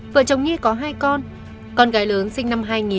vợ chồng nhi có hai con con gái lớn sinh năm hai nghìn